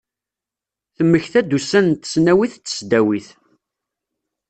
Temmekta-d ussan n tesnawit d tesdawit.